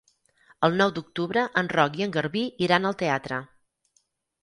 El nou d'octubre en Roc i en Garbí iran al teatre.